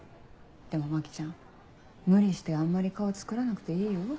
でも牧ちゃん無理してあんまり顔作らなくていいよ。